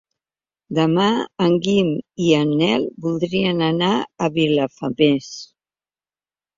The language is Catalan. Demà en Guim i en Nel voldrien anar a Vilafamés.